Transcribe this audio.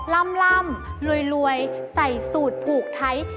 ล่ำรวยใส่สูตรผูกไทย